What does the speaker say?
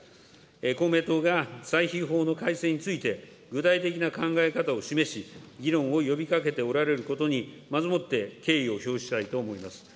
公明党が歳費法の改正について、具体的な考え方を示し、議論を呼びかけておられることに、まずもって敬意を表したいと思います。